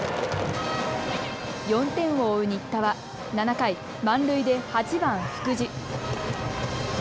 ４点を追う新田は７回、満塁では８番・福地。